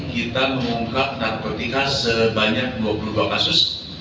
kita mengungkap narkotika sebanyak dua puluh dua kasus